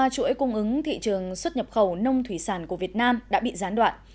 chuỗi cung ứng thị trường xuất nhập khẩu nông thủy sản của việt nam đã bị gián đoạn